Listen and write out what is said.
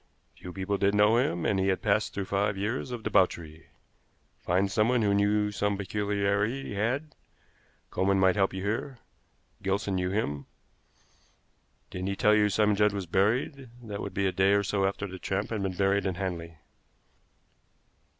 "Few people did know him, and he had passed through five years of debauchery. Find someone who knew of some peculiarity he had. Coleman might help you here. Gilson knew him. Didn't he tell you Simon Judd was buried? That would be a day or so after the tramp had been buried in Hanley."